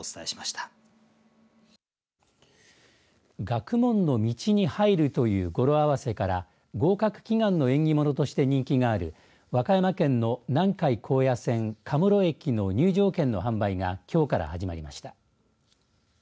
学問の路に入るという語呂合わせから合格祈願の縁起物として人気がある和歌山県の南海高野線学文路駅の入場券の販売がきょうから始まりました。